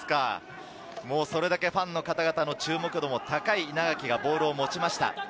それだけファンの方々の注目度も高い稲垣がボールを持ちました。